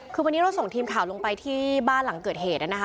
คือวันนี้เราส่งทีมข่าวลงไปที่บ้านหลังเกิดเหตุนะคะ